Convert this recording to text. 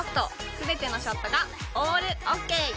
すべてのショットがオールＯＫ。